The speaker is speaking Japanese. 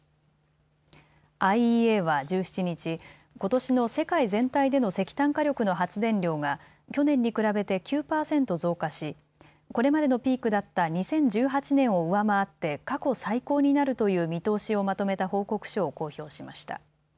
ＩＥＡは１７日、ことしの世界全体での石炭火力の発電量が去年に比べて９％増加し、これまでのピークだった２０１８年を上回って過去最高になるという見通しをまとめた報告書を公表しました。